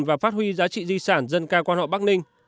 và phát huy giá trị di sản dân ca quan họ bắc ninh